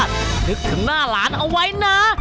นึกถึงหน้าหลานเอาไว้นะ